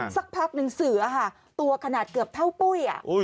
สักพักหนึ่งเสือตัวขนาดเกือบเท่าปุ้ย